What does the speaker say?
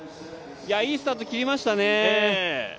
いいスタート切りましたね。